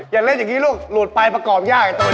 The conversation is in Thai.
อย่าเล่นอย่างนี้ลูกลวดปลายประกอบยากตัวเนี่ย